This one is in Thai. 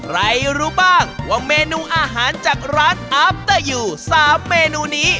รู้บ้างว่าเมนูอาหารจากร้านอาบเตอร์ยู๓เมนูนี้